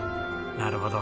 なるほど。